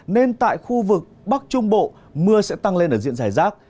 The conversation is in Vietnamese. nên tại khu vực bắc trung bộ mưa sẽ tăng lên ở diện giải rác